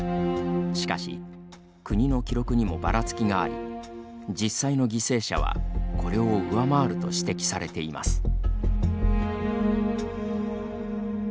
しかし国の記録にもばらつきがあり実際の犠牲者はこれを上回ると指摘されています。